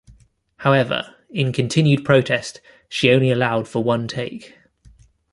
However, in continued protest, she only allowed for one take.